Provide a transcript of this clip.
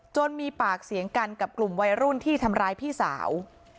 มีปากเสียงกันกับกลุ่มวัยรุ่นที่ทำร้ายพี่สาว